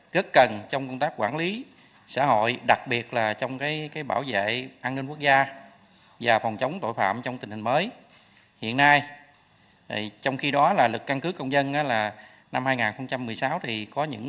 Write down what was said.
điều hai mươi tám quy định